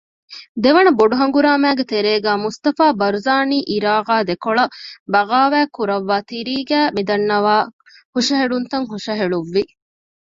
ދެވަނަ ބޮޑު ހަނގުރާމައިގެ ތެރޭގައި މުޞްޠަފާ ބަރުޒާނީ ޢިރާޤާ ދެކޮޅަށް ބަޣާވާތް ކުރައްވައި ތިރީގައި މިދަންނަވާ ހުށަހެޅުންތައް ހުށަހެޅުއްވި